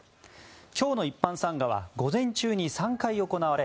今日の一般参賀は午前中に３回行われ